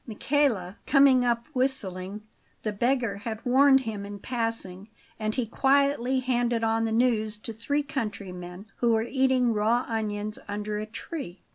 Michele came up whistling; the beggar had warned him in passing, and he quietly handed on the news to three countrymen who were eating raw onions under a tree.